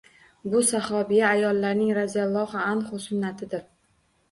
Bu sahobiya ayollarning roziyallohu anhunna sunnatidir